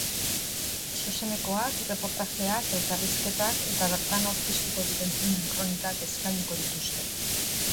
Zuzenekoak, erreportajeak, elkarrizketak eta bertan aurkeztuko diren filmen kronikak eskainiko dituzte.